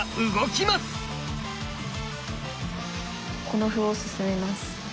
この歩を進めます。